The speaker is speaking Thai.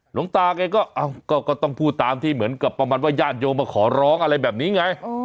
หลวงตาแกก็ต้องพูดตามที่เหมือนกับประมาณว่าญาติโยมมาขอร้องอะไรแบบนี้ไง